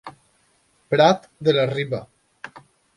Prat de la Riba.